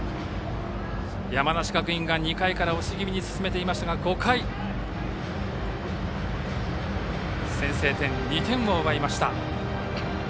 山梨学院が２回から押し気味に進めていましたが５回、先制点２点を奪いました。